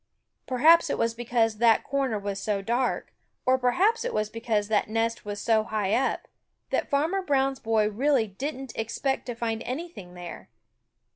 Perhaps it was because that corner was so dark, or perhaps it was because that nest was so high up, that Farmer Brown's boy really didn't expect to find anything there.